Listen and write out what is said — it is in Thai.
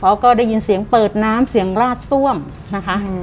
เขาก็ได้ยินเสียงเปิดน้ำเสียงราดซ่วมนะคะอืม